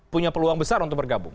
punya peluang besar untuk bergabung